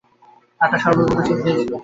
আত্মা সর্বপ্রকার দেশ কাল ও নিমিত্তের বাহিরে।